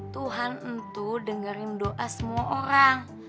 tuhan entu dengerin doa semua orang